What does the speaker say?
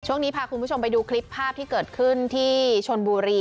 ช่วงนี้พาคุณผู้ชมไปดูคลิปภาพที่เกิดขึ้นที่ชนบุรี